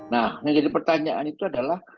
nah yang jadi pertanyaan itu adalah